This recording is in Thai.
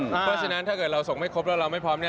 เพราะฉะนั้นถ้าเกิดเราส่งไม่ครบแล้วเราไม่พร้อมเนี่ย